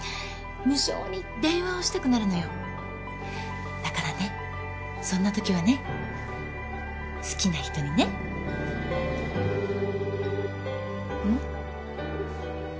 無性に電話をしたくなるのよだからねそんな時はね好きな人にねうん？